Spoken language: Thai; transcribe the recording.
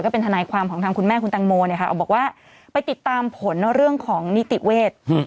เป็นทนายความของทางคุณแม่คุณตังโมเนี่ยค่ะเอาบอกว่าไปติดตามผลเรื่องของนิติเวท